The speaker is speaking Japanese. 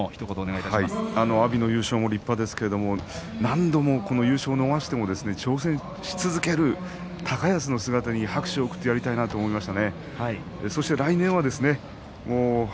阿炎の優勝も立派ですけれども何度も優勝を逃しても挑戦し続ける高安の姿に拍手を送ってやりたいなと思います。